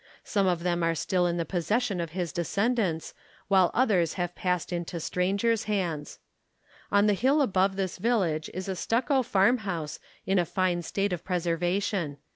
Some of them are still in the possession of his descendants, while others have passed into strangers' hands. On the hill above this village is a stucco farmhouse in a fine state of preservation.